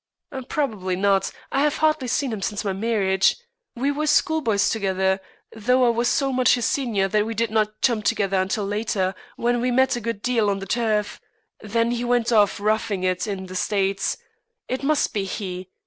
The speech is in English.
"Probably not. I have hardly seen him since my marriage. We were schoolboys together, though I was so much his senior that we did not chum together until later, when we met a good deal on the turf. Then he went off, roughing it in the States. It must be he.